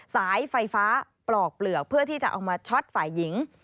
สายไฟฟ้าปลอกเปลือกเพื่อที่จะเอามาช็อตฝ่ายหญิง